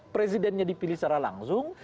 presidennya dipilih secara langsung